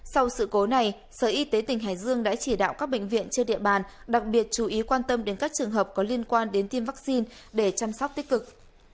sau sự cố này sở y tế tỉnh hải dương đã chỉ đạo các bệnh viện trên địa bàn đặc biệt chú ý quan tâm đến các trường hợp có liên quan đến tiêm vaccine để chăm sóc tích cực